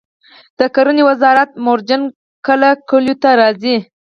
د کرنې وزارت مروجین کله کلیو ته راځي؟